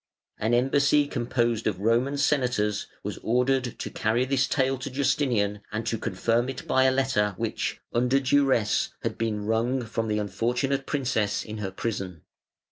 An embassy composed of Roman Senators was ordered to carry this tale to Justinian and to confirm it by a letter which, under duresse, had been wrung from the unfortunate princess in her prison.